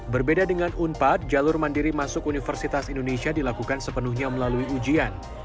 berbeda dengan unpad jalur mandiri masuk universitas indonesia dilakukan sepenuhnya melalui ujian